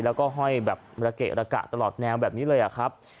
แล้วก็ห้อยแบบระเกะระกะตลอดแนวแบบนี้เลยอะครับ